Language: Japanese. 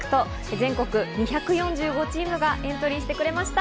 全国２４５チームがエントリーしてくれました。